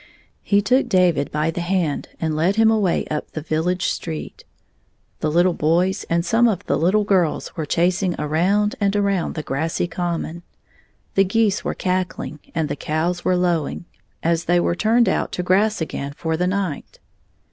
He took David by the hand and led him away up the village street. The Uttle boys and some of the Uttle girls were chasing around and around the grassy common. The geese were cackling, and the cows were lowing, as they were turned out to 23 grass again for the night.